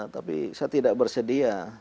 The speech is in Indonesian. tapi saya tidak bersedia